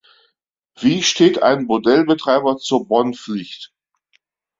Wie steht ein Bordellbetreiber zur Bonpflicht?